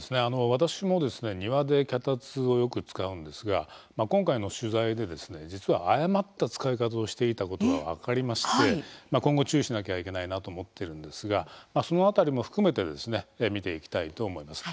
私も庭で脚立をよく使うんですが今回の取材で、実は誤った使い方をしていたことが分かりまして、今後注意しなきゃいけないなと思っているんですがその辺りも含めて見ていきたいと思います。